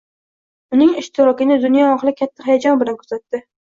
Uning ishtirokini dunyo ahli katta hayajon bilan kuzatdi.